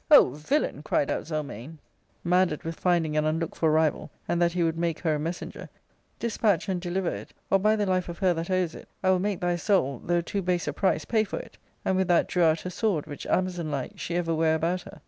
O villain !" cried out Zelmane, madded with finding an r unlooked for rival, and that he would make her a messenger, "despatch, and deliver it, or, by the life of her that owes it, I will make thy soul, though too base a price, pay for it f and with that drew out her sword, which, Amazon like, she ever ware about her.